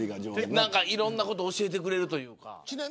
いろんなこと教えてくれるというか。